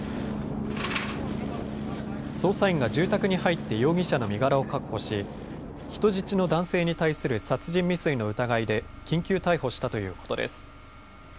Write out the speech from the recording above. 捜査員が住宅に入って容疑者の身柄を確保し、人質の男性に対する殺人未遂の疑いで緊急逮捕したということです。